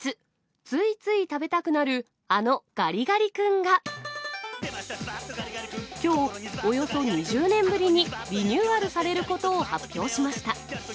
ついつい食べたくなる、あのガリガリ君が、きょう、およそ２０年ぶりにリニューアルされることを発表しました。